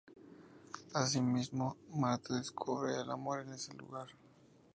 Al mismo tiempo, Marta descubre el amor en ese lugar.